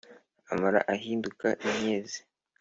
amara ahinduka inyenzi